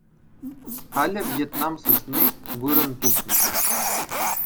Халӗ Вьетнам сысни вырӑн тупнӑ.